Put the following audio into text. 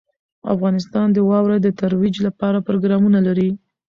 افغانستان د واوره د ترویج لپاره پروګرامونه لري.